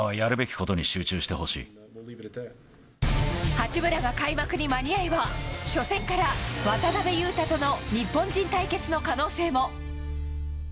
八村が開幕に間に合えば初戦から渡邊雄太との日本人対決の可能性も。